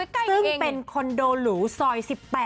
ซึ่งเป็นคอนโดหรูซอย๑๘